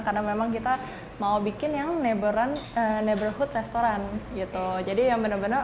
karena memang kita mau bikin yang neighborhood nya